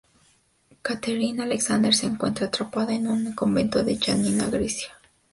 Catherine Alexander se encuentra atrapada en un convento de Janina, Grecia.